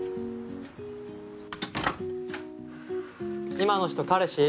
今の人彼氏？